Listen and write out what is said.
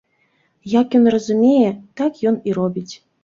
Як ён разумее, так ён і робіць.